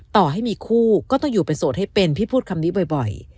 ต่อให้มีคู่ก็ต้องอยู่เป็นโสดให้เป็นพี่พูดคำนี้บ่อย